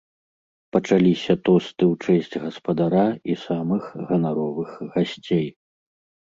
Пачаліся тосты ў чэсць гаспадара і самых ганаровых гасцей.